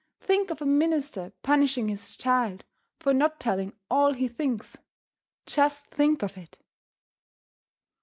Think of a minister punishing his child for not telling all he thinks! Just think of it!